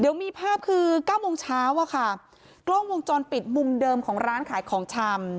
เดี๋ยวมีภาพคือเก้าโมงเช้าอะค่ะกล้องวงจรปิดมุมเดิมของร้านขายของชำ